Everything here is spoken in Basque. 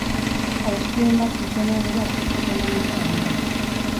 Abestiren bat zuzenean ere aurkeztuko omen dute gainera.